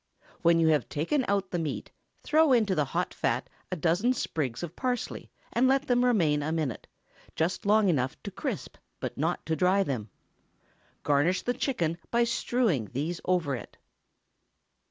When you have taken out the meat, throw into the hot fat a dozen sprigs of parsley, and let them remain a minute—just long enough to crisp, but not to dry them. Garnish the chicken by strewing these over it.